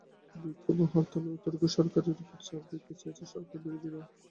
বিক্ষোভ ও হরতাল করে ওর্তেগা সরকারের ওপর চাপ দিতে চাইছে সরকারবিরোধীরা।